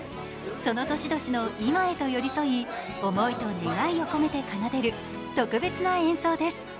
その年々の今へと寄り添い思いと願いを込めて奏でる特別な演奏です。